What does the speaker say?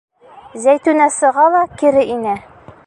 Зәйтүнә сыға ла кире инә.